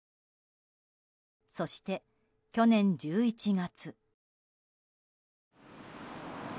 そして、去年１１月。